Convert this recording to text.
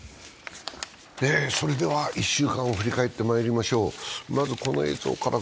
１週間を振り返ってまいりましょう。